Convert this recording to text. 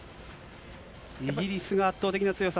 イギリスが圧倒的な強さ。